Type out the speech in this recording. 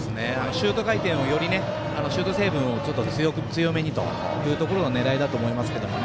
シュート回転をよりシュート成分をちょっと強めにというところの狙いだと思いますけどね。